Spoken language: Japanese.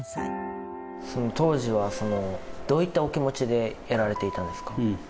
当時はどういったお気持ちでやられていたんですか？